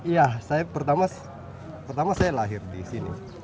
ya pertama saya lahir di sini